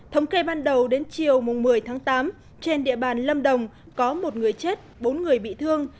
thống kê ban đầu đến chiều một mươi tháng tám trên địa bàn lâm đồng có một người chết bốn người bị thương